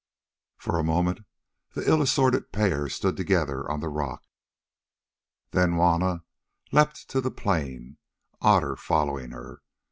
For a moment the ill assorted pair stood together on the rock; then Juanna leapt to the plain, Otter following her.